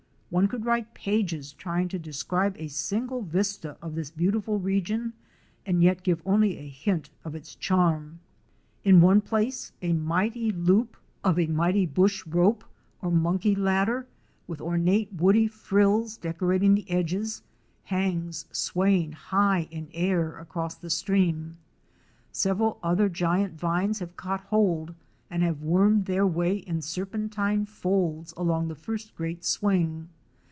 One could write pages trying to describe a single vista of this beautiful region and yet give only a hint of its charm. In one place a mighty loop of a lofty bush 282 OUR SEARCH FOR A WILDERNESS. rope or monkey ladder with ornate woody frills decorating the edges, hangs swaying high in air across the stream. Several other giant vines have caught hold and have wormed their way in serpentine folds along the first great swing.